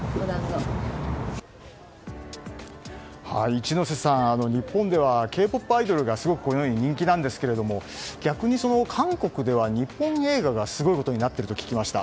一之瀬さん、日本ではＫ‐ＰＯＰアイドルがこのように人気なんですが逆に韓国では日本映画がすごいことになっていると聞きました。